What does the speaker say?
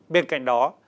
bên cạnh đó